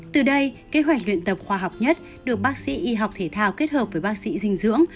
từ đây kế hoạch luyện tập khoa học nhất được bác sĩ y học thể thao kết hợp với bác sĩ dinh dưỡng